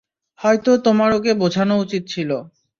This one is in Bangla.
হয়তো তোমার ওকে বোঝানো উচিত ছিল।